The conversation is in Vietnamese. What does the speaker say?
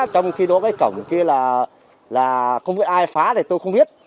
có cái cổng kia là không biết ai phá thì tôi không biết